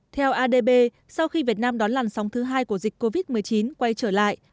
theo adb sau khi việt nam đón lằn sóng thứ hai của dịch covid một mươi chín quay trở lại